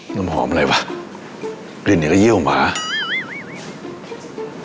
น้ำหอมอะไรวะกลิ่นเนี้ยก็เยี่ยวหมา